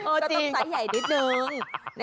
ก็ต้องใส่ใหญ่นิดนึง